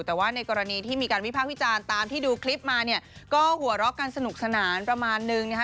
แต่ว่าในกรณีที่มีการวิภาควิจารณ์ตามที่ดูคลิปมาเนี่ยก็หัวเราะกันสนุกสนานประมาณนึงนะคะ